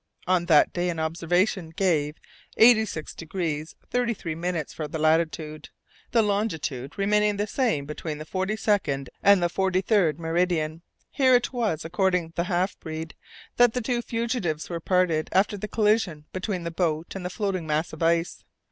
On that day an observation gave 86° 33' for the latitude, the longitude remaining the same between the forty second and the forty third meridian. Here it was, according to the half breed, that the two fugitives were parted after the collision between the boat and the floating mass of ice.